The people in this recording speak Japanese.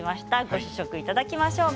ご試食いただきましょう。